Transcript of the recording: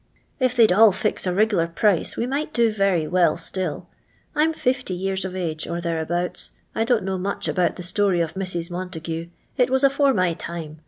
If they'd all fix a riglar price we might do very well still I 'm 50 years of age, or thereabouts. I don't know much about the story of Mrs. Montague; it was afore my time.